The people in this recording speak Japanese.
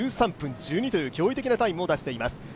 １３分１２という驚異的なタイムをたたき出しています。